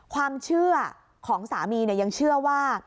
ความเชื่อของสามียังเชื่อว่า